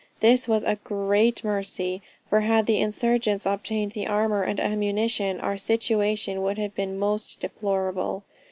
This was a great mercy, for had the insurgents obtained the arms and ammunition, our situation would have been most deplorable.